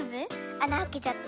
あなあけちゃって。